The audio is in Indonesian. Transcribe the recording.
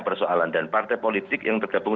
persoalan dan partai politik yang tergabung